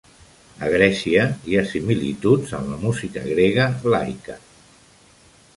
A Grècia, hi ha similituds amb la música grega "laika".